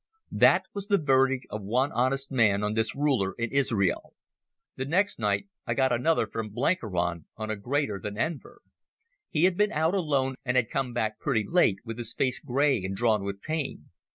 That was the verdict of one honest man on this ruler in Israel. The next night I got another from Blenkiron on a greater than Enver. He had been out alone and had come back pretty late, with his face grey and drawn with pain.